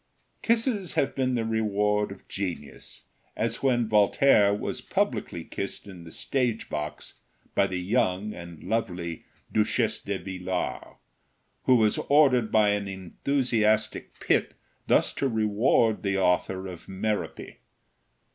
Kisses have been the reward of genius, as when Voltaire was publicly kissed in the stage box by the young and lovely Duchess de Villars, who was ordered by an enthusiastic pit thus to reward the author of "Merope."